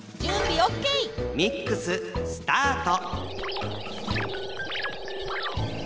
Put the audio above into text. ミックススタート！